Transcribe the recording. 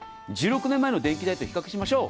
１６年前の電気代と比較しましょう。